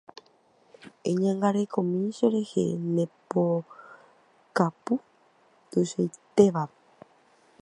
Eñangarekomi cherehe nde pokatu tuichaitévape.